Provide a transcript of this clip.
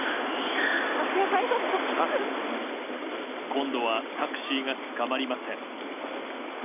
今度はタクシーがつかまりません。